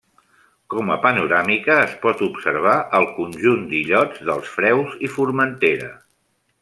Com a panoràmica es pot observar els conjunt d'illots dels Freus i Formentera.